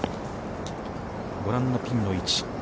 ご覧のピンの位置。